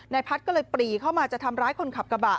พัฒน์ก็เลยปรีเข้ามาจะทำร้ายคนขับกระบะ